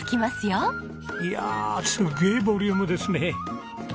いやあすげえボリュームですね。